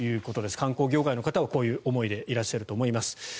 観光業界の方々はこういう思いでいらっしゃると思います。